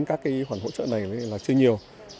các cái khoản hỗ trợ này là chưa nhiều